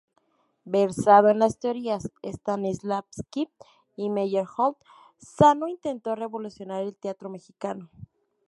Versado en las teorías de Stanislavski y Meyerhold, Sano intentó revolucionar el teatro mexicano.